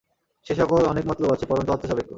সে-সকল অনেক মতলব আছে, পরন্তু অর্থসাপেক্ষ।